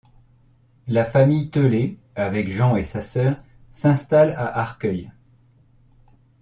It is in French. La famille Teulé, avec Jean et sa sœur, s'installe à Arcueil.